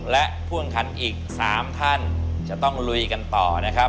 และผู้แข่งขันอีก๓ท่านจะต้องลุยกันต่อนะครับ